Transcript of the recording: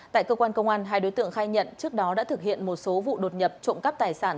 tại cơ quan công an hai đối tượng khai nhận trước đó đã thực hiện một số vụ đột nhập trộm cắp tài sản